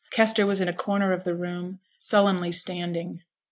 Kester was in a corner of the room, sullenly standing.